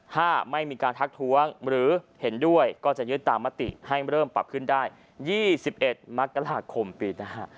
ถ้าไม่มีการทักท้วงหรือเห็นด้วยก็จะยึดตามมติให้เริ่มปรับขึ้นได้๒๑มกราคมปีหน้า